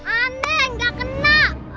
aneh gak kena